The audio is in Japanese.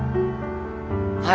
はい。